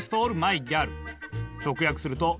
直訳すると。